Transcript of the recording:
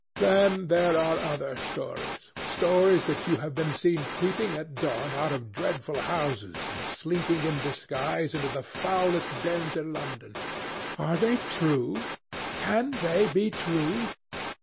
Then there are other stories—stories that you have been seen creeping at dawn out of dreadful houses and slinking in disguise into the foulest dens in London. Are they true? Can they be true?